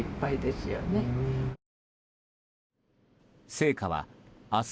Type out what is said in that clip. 聖火は明日